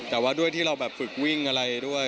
แต่ว่าด้วยที่เราแบบฝึกวิ่งอะไรด้วย